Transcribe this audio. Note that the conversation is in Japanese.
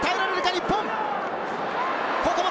日本。